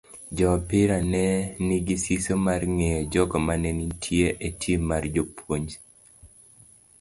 Joopira ne nigi siso mar ng'eyo jogo mane nitie e tim mar japuonj.